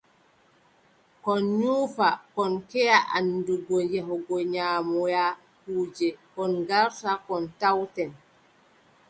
Kon nyuufa, kon keʼa anndugo yahugo nyaamoya kuuje, kon ngarta, kon tawten.